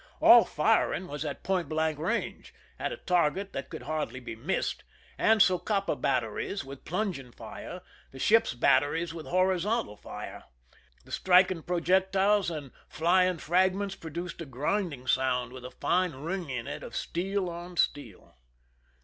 { All firing was at point blank range, at a target that I could hardly be missed, the Socapa batteries with / plunging fire, the ships' batteries with horizontal \ fire. The striking projectiles and flying fragments / produced a grinding sound, with a fine ring in it of j steel on steel.